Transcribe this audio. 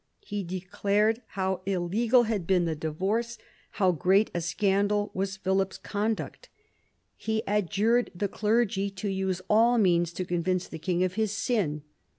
He declared how illegal had been the divorce, how vi PHILIP AND THE PAPACY 167 great a scandal was Philip's conduct. He adjured the clergy to use all means to convince the king of his sin.